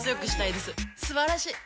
すばらしい！